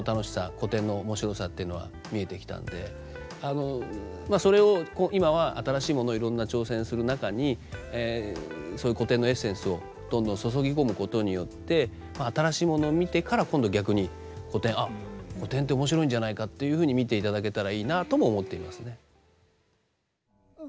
古典の面白さっていうのは見えてきたんでそれを今は新しいものいろんな挑戦する中にそういう古典のエッセンスをどんどん注ぎ込むことによって新しいものを見てから今度逆に古典「あっ古典って面白いんじゃないか」というふうに見ていただけたらいいなとも思っていますね。